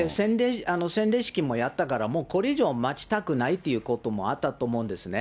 洗礼式もやったから、もうこれ以上待ちたくないということもあったと思うんですね。